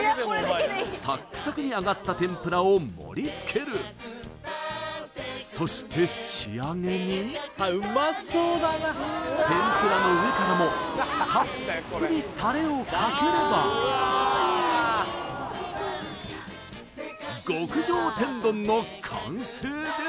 サックサクに揚がった天ぷらを盛りつけるそして仕上げに天ぷらの上からもたっぷりタレをかければ極上天丼の完成です